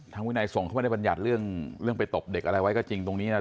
วินัยส่งเขาไม่ได้บรรยัติเรื่องไปตบเด็กอะไรไว้ก็จริงตรงนี้นะ